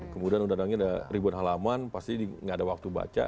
kemudian undang undang ini sudah ribuan halaman pasti tidak ada waktu baca